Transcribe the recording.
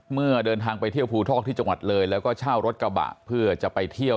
เมื่อเดินทางไปเที่ยวภูทอกที่จังหวัดเลยแล้วก็เช่ารถกระบะเพื่อจะไปเที่ยว